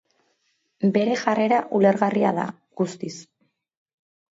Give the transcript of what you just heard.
Bere jarrera ulergarria da, guztiz.